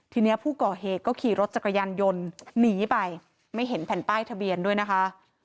ทีนี้ผู้ก่อเหตุก็ขี่รถจักรยานยนต์หนีไปไม่เห็นแผ่นป้ายทะเบียนด้วยนะคะ